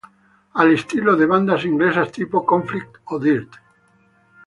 Al estilo de bandas inglesas tipo Conflict o Dirt.